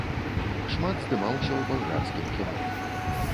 Шмат здымалася ў балгарскім кіно.